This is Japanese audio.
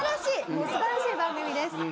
もう素晴らしい番組です。